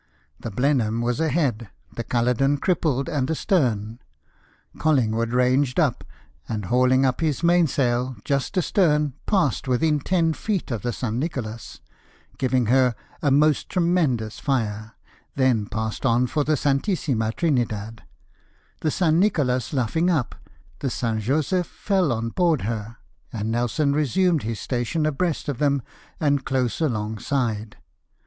The Blenheim was ahead, the Culloden crippled and astern. Collingwood ranged up, and hauling up his mainsail just astern passed within ten feet of the S. Nicolas, BATTLE OF CAPE ST. VINCENT, 107 giving her a most tremendous lire ; then passed on for the Santissivia Trinidad. The S. Nicolas kiffing up, the S. Josef fell on board her, and Nelson resumed his station abreast of them, and close alongside.